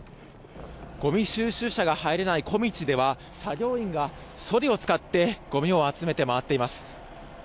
ごみ収集車が入れない小道では作業員がそりを使ってごみを集めて回っています。